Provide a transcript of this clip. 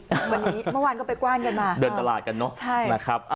วันนี้เมื่อวานก็ไปกว้านกันมาเดินตลาดกันเนอะใช่นะครับ